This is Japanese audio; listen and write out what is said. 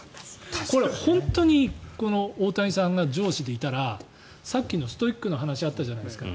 本当に大谷さんが上司でいたらさっきのストイックの話あったじゃないですか。